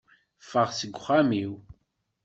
Ffeɣ seg uxxam-iw!